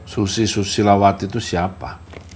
susi susilawati itu siapa